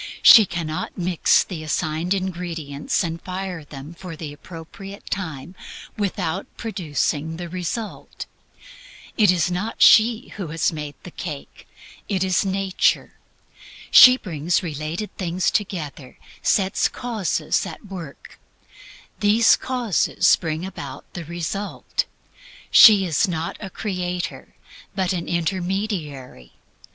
She cannot mix the assigned ingredients and fire them for the appropriate time without producing the result. It is not she who has made the cake; it is nature. She brings related things together; sets causes at work; these causes bring about the result. She is not a creator, but an intermediary.